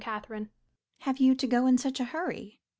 CATHERINE. Have you to go in such a hurry?